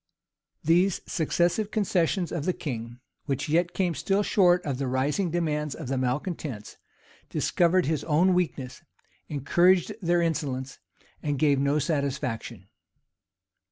These successive concessions of the king, which yet came still short of the rising demands of the malecontents, discovered his own weakness, encouraged their insolence, and gave no satisfaction.